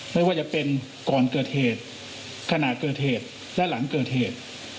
ไม่ว่าจะเป็นก่อนเกิดเหตุขณะเกิดเหตุและหลังเกิดเหตุ